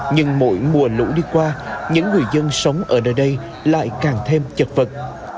nhưng mỗi mùa lũ đi qua những người dân sống ở nơi đây lại càng thêm chật vật